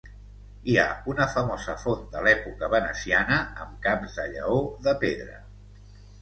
Hi ha una famosa font de l'època veneciana, amb caps de lleó de pedra.